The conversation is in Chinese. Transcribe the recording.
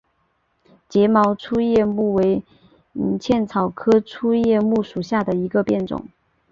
睫毛粗叶木为茜草科粗叶木属下的一个变种。